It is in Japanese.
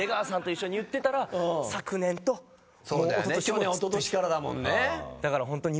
去年一昨年からだもんね。